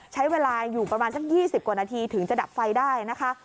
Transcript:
ใช้เวลาอยู่ประมาณสัก๒๐กว่านาทีถึงจะดับไฟได้นะคะ